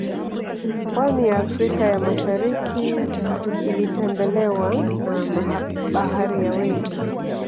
Pwani ya afrika ya masharikii ilitembelewa na mabaharia wengi